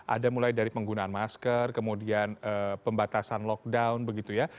ada mulai dari penggunaan masker kemudian pembatasan lockdown begitu ya